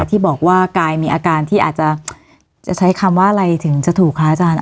ที่บอกว่ากายมีอาการที่อาจจะใช้คำว่าอะไรถึงจะถูกคะอาจารย์